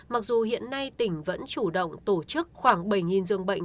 mặc dù hiện nay tỉnh vẫn chủ động tổ chức khoảng bảy dường bệnh